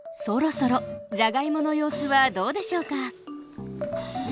そろそろじゃがいもの様子はどうでしょうか？